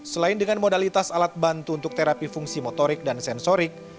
selain dengan modalitas alat bantu untuk terapi fungsi motorik dan sensorik